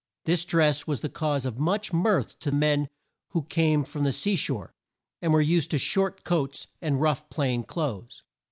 This dress was the cause of much mirth to men who came from the sea shore, and were used to short coats, and rough plain clothes.